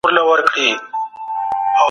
هغه وویل چي وطن د ميړانې نښه ده.